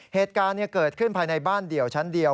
เหตุการณ์เกิดขึ้นภายในบ้านเดี่ยวชั้นเดียว